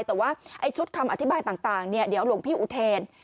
แต่ว่าไอ้ชุดคำอธิบายต่างเดี๋ยวหลวงพี่อุเทน